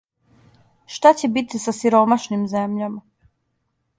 Шта ће бити са сиромашним земљама?